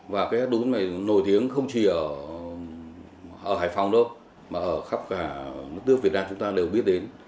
và cái đuống này nổi tiếng không chỉ ở hải phòng đâu mà ở khắp cả nước nước việt nam chúng ta đều biết đến